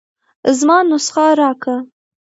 زما نسخه راکه.